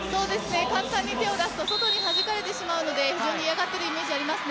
簡単に手を出すと外にはじかれるので非常に嫌がっているイメージがあります。